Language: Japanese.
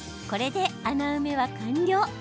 これで、穴埋めは完了。